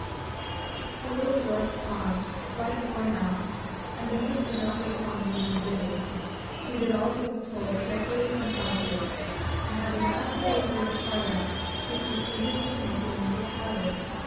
The little dwarf paused, quite worn out, and the youth did not wait long to do his bidding. He did all he was told carefully and promptly, and having cut the little bird's heart out he proceeded to make it into a powder.